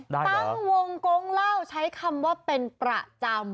ตั้งวงกงเล่าใช้คำว่าเป็นประจำ